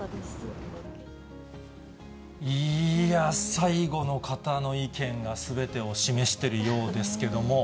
いやぁ、最後の方の意見がすべてを示してるようですけども。